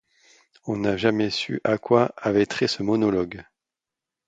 On n'a jamais su à quoi avait trait ce monologue.